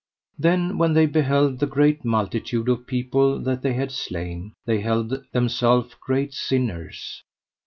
Then when they beheld the great multitude of people that they had slain, they held themself great sinners.